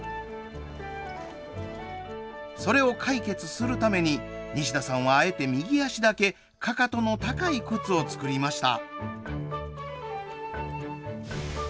それを解決するために西田さんはあえて右足だけかかとの高い靴を作りました。